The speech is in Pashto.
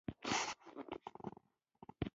کونړ تېره مياشت سختې زلزلې وځپه